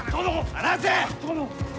離せ！